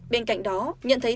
bên cạnh đó nhận thấy